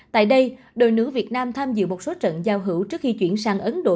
tại đây đội nữ việt nam tham dự một số trận giao hữu trước khi chuyển sang ấn độ